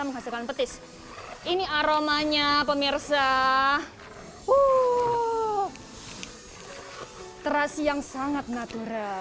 menghasilkan petis ini aromanya pemirsa uh terasi yang sangat natural